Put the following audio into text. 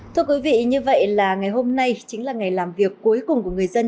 thưa quý vị như vậy là ngày hôm nay chính là ngày làm việc cuối cùng của người dân